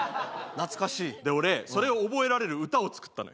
懐かしいで俺それを覚えられる歌を作ったのよ